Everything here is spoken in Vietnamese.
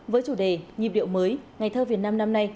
với chủ đề nhịp điệu mới ngày thơ việt nam năm nay